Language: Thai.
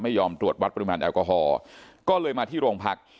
ยอมตรวจวัดปริมาณแอลกอฮอล์ก็เลยมาที่โรงพัก